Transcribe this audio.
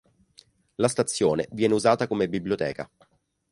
La stazione viene usata come biblioteca.